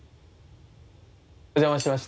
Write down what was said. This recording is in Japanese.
お邪魔しまして。